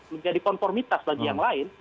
menjadi konformitas bagi yang lain